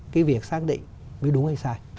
cái việc xác định mới đúng hay sai